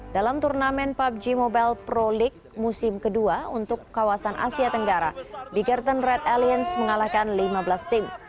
dalam turnamen pubg mobile pro league musim kedua untuk kawasan asia tenggara biggerton red aliens mengalahkan lima belas tim